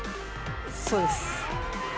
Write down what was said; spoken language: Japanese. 「そうです」